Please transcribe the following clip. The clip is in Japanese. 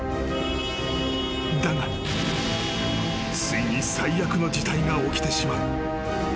［だがついに最悪の事態が起きてしまう］